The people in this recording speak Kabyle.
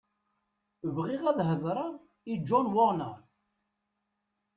Bɣiɣ ad hedreɣ i John Warner.